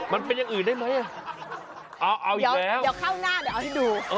มันเป็นอย่างอื่นได้ไหมเอาเดี๋ยวเข้าหน้าเดี๋ยวเอาให้ดู